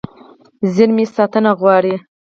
زېرمې ساتنه غواړي.